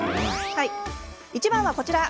１番は、こちら。